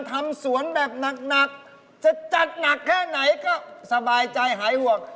ทำสวนแบบหนักจะจัดหนักแค่ไหนก็สบายใจหายห่วง